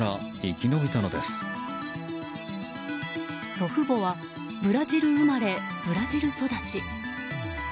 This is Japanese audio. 祖父母はブラジル生まれブラジル育ち。